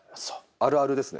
あるあるですね。